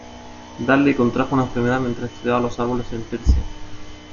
Dudley contrajo una enfermedad mientras estudiaba los árboles en Persia.